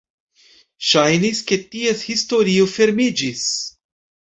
Ŝajnis, ke ties historio fermiĝis.